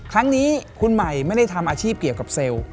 ครั้งนี้คุณใหม่ไม่ได้ทำอาชีพเกี่ยวกับเซลล์